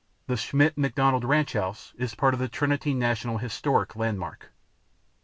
The Schmidt McDonald ranch house is part of the Trinity National Historic Landmark.